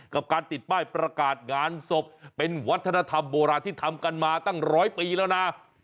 กับการติดป้ายประกาศงานศพเป็นวัฒนธรรมโบราณที่ทำกันมาตั้งร้อยปีแล้วนะ